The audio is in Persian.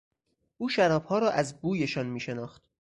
او شرابها را از بویشان میشناخت.